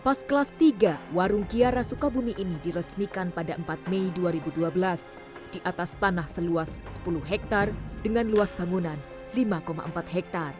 pas kelas tiga warung kiara sukabumi ini diresmikan pada empat mei dua ribu dua belas di atas tanah seluas sepuluh hektare dengan luas bangunan lima empat hektare